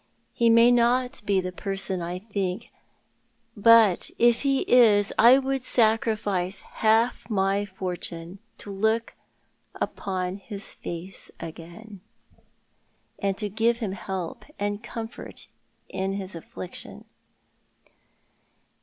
He may not be the person I think, but if ho is I would sacrifice half my fortune to look upon his face again, 230 Thoti art the Man. and to give Lim help and comfort in his affliction.